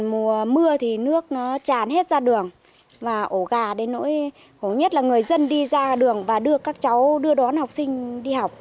mùa mưa thì nước nó tràn hết ra đường và ổ gà đến nỗi khổ nhất là người dân đi ra đường và đưa các cháu đưa đón học sinh đi học